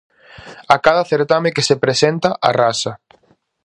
A cada certame que se presenta, arrasa.